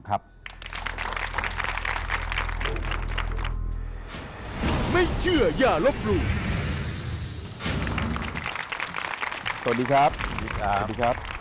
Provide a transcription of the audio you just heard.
สวัสดีครับ